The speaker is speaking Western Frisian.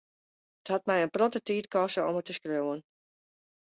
It hat my in protte tiid koste om it te skriuwen.